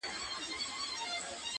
• ستا د تن سايه مي په وجود كي ده؛